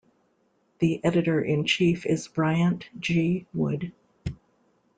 The editor-in-chief is Bryant G. Wood.